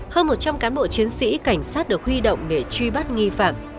hơn một trăm linh cán bộ chiến sĩ cảnh sát được huy động để truy bắt nghi phạm